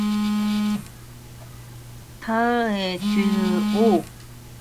첫째는 달려들어 어머니의 궁둥이를 내려 밟았다.